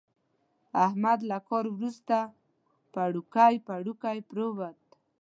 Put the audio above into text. احمد له کار ورسته پړوکی پړوکی پرېوت.